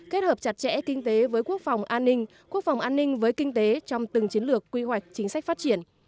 kết hợp chặt chẽ kinh tế với quốc phòng an ninh quốc phòng an ninh với kinh tế trong từng chiến lược quy hoạch chính sách phát triển